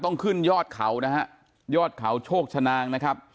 ต้องขึ้นยอดเขานะฮะยอดเขาโชคชนางนะครับ